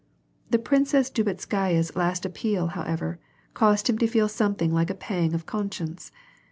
The Princess Drubetskaya's last appeal however, caused him to feel something like a pang of conscience.